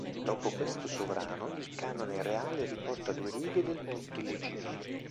Dopo questo sovrano il Canone Reale riporta due righe del tutto illeggibili